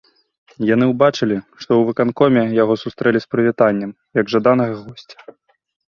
Яны ўбачылі, што ў выканкоме яго сустрэлі з прывітаннем, як жаданага госця.